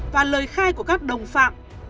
và lời khai của các đồng phạm